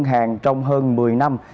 ngân hàng trong hơn một mươi năm